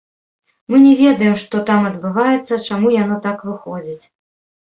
Мы не ведаем, што там адбываецца, чаму яно так выходзіць.